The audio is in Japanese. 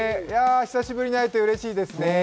久しぶりに会えてうれしいですね。